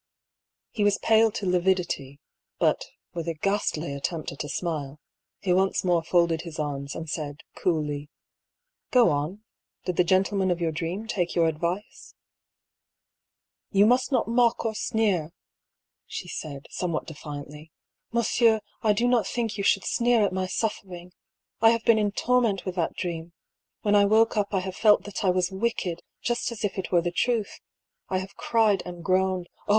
He was pale to lividity, but, with a ghastly attempt at a smile, he once more folded his arms, and said, coolly :" Go on. Did the gentleman of your dream take your advice ?"" You must not mock or sneer," she said, somewhat defiantly. " Monsieur, I do not think you should sneer at my suffering! I have been in torment with that dream ; when I woke up I have felt that I was wicked, just as if it were the truth. I have cried and groaned. Oh